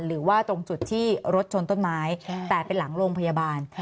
หรือว่าตรงจุดที่รถชนต้นไม้แต่เป็นหลังโรงพยาบาล